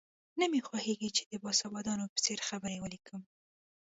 نه مې خوښېږي چې د باسوادانو په څېر خبرې ولیکم.